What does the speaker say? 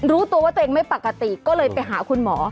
รู้ตัวว่าตัวเองไม่ปกติก็เลยไปหาคุณหมอ